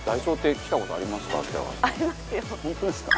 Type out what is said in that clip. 本当ですか？